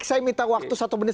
saya minta waktu satu menit